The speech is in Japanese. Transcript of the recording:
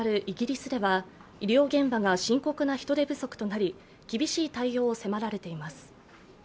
イギリスでは医療現場が深刻な人手不足となり厳しい対応を迫られています。